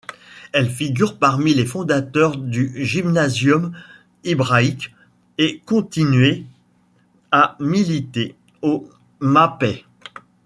Elle figure parmi les fondateurs du Gymnasium hébraïque et continuer à militer au Mapaï.